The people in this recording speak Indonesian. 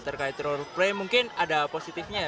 terkait roleplay mungkin ada positifnya ya